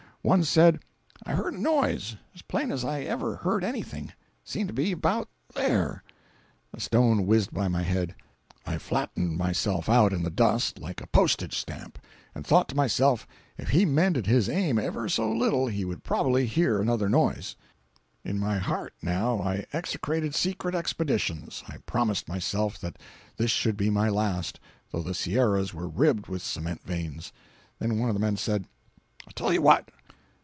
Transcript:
One said: "I heard a noise, as plain as I ever heard anything. It seemed to be about there—" A stone whizzed by my head. I flattened myself out in the dust like a postage stamp, and thought to myself if he mended his aim ever so little he would probably hear another noise. In my heart, now, I execrated secret expeditions. I promised myself that this should be my last, though the Sierras were ribbed with cement veins. Then one of the men said: "I'll tell you what!